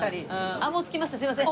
あっもう着きましたすいません。